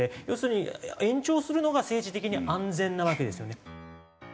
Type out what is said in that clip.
要するに延長するのが政治的に安全なわけですよね。